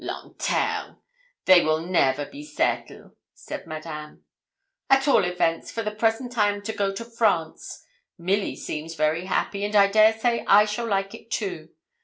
'Lanternes! They will never be settle,' said Madame. 'At all events, for the present I am to go to France. Milly seems very happy, and I dare say I shall like it too.